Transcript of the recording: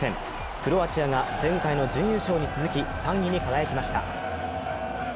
クロアチアが前回の準優勝に続き、３位に輝きました。